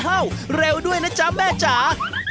เร็วด้วยนะจ๊ะแม่จ๋า